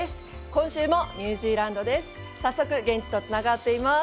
今週もニュージーランドです。